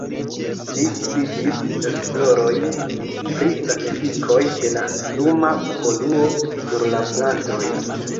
Li gvidis esplorojn pri la efikoj de la luma poluo sur la plantoj.